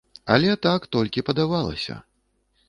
Але так толькі падавалася.